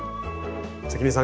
関根さん